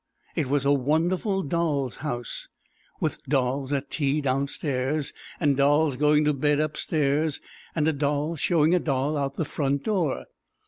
It was a wonderful doll's house, with dolls at tea downstairs and dolls going to bed upstairs, and a doll showing a doll out at the front door.